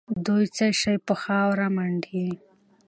دوی څه شي په خاورو منډي؟